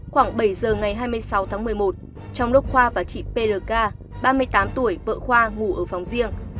khoa đã xác định khoảng bảy giờ ngày hai mươi sáu tháng một mươi một trong lúc khoa và chị plk ba mươi tám tuổi vợ khoa ngủ ở phòng riêng